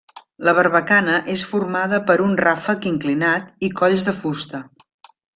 La barbacana és formada per un ràfec inclinat i colls de fusta.